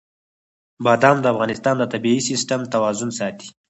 بادام د افغانستان د طبعي سیسټم توازن ساتي.